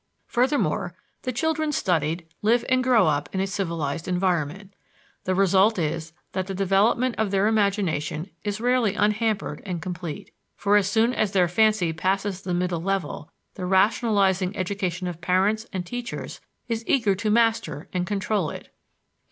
Furthermore, the children studied live and grow up in a civilized environment. The result is that the development of their imagination is rarely unhampered and complete; for as soon as their fancy passes the middle level, the rationalizing education of parents and teachers is eager to master and control it.